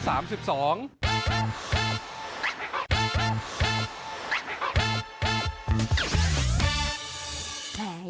โรมอูตุนิยมเมธยาเตือนผลตกหนักทั่วไทยเลย